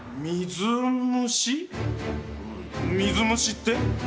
水虫って？